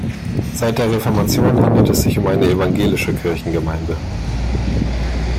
Seit der Reformation handelt es sich um eine evangelische Kirchengemeinde.